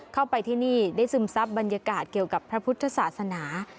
เข้าไปที่นี่ได้ซึมซับบรรยากาศเกี่ยวกับพระพุทธศาสนา